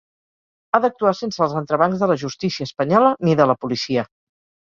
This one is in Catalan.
Ha d’actuar sense els entrebancs de la justícia espanyola ni de la policia.